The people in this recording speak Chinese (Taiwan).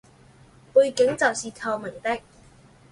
背景就是透明的